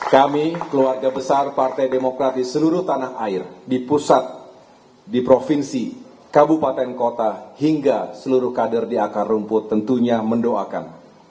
kami keluarga besar partai demokrat di seluruh tanah air di pusat di provinsi kabupaten kota hingga seluruh kader di akar rumput tentunya mendoakan